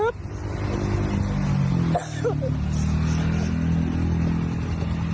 พร้อม